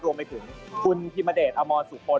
รวมไปถึงคุณพิมเดชอมรสุพล